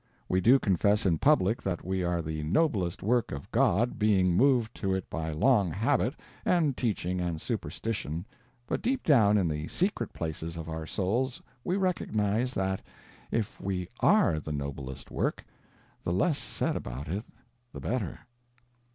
We do confess in public that we are the noblest work of God, being moved to it by long habit, and teaching, and superstition; but deep down in the secret places of our souls we recognize that, if we _are _the noblest work, the less said about it the better.